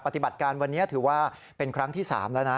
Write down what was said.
ปฏิบัติการวันนี้ถือว่าเป็นครั้งที่๓แล้วนะ